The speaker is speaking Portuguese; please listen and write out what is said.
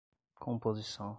composição